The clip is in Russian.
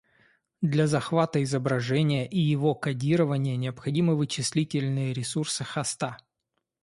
Для захвата изображения и его кодирования необходимы вычислительные ресурсы хоста